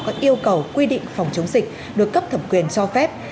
các yêu cầu quy định phòng chống dịch được cấp thẩm quyền cho phép